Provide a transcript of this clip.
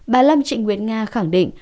bà lâm trịnh nguyệt nga khẳng định